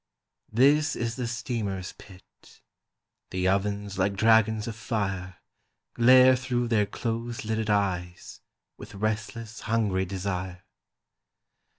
"This is the steamer's pit. The ovens like dragons of fire Glare thro' their close lidded eyes With restless hungry desire.